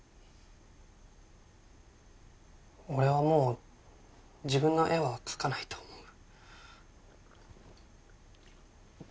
俺はもう自分の絵は描かないと思う。